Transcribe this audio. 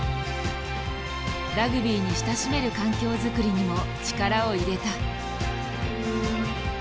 ラグビーに親しめる環境づくりにも力を入れた。